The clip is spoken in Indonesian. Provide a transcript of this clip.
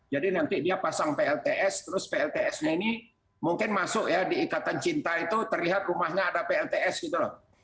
jadi nanti dia pasang plts terus plts nya ini mungkin masuk ya di ikatan cinta itu terlihat rumahnya ada plts gitu loh